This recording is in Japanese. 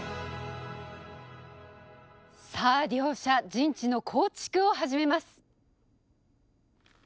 さあ両者陣地の構築を始めます！